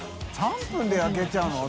３分で焼けちゃうの？